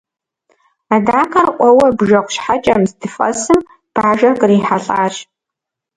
Адакъэр ӏуэуэ бжэгъу щхьэкӏэм здыфӏэсым, бажэр кърихьэлӏащ.